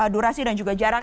durasi dan juga jarak